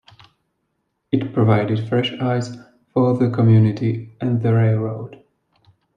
It provided fresh ice for the community and the railroad.